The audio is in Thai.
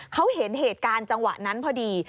เขาเห็นเหตุการณ์จังหวะนั้นพอดี